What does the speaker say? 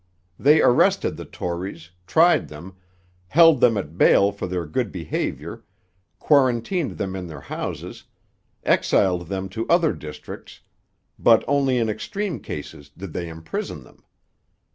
They arrested the Tories, tried them, held them at bail for their good behaviour, quarantined them in their houses, exiled them to other districts, but only in extreme cases did they imprison them.